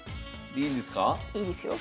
いいんですか？